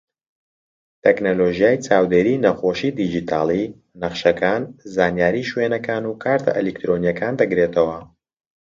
تەکنەلۆژیای چاودێری نەخۆشی دیجیتاڵی، نەخشەکان، زانیاری شوێنەکان و کارتە ئەلیکترۆنیەکان دەگرێتەوە.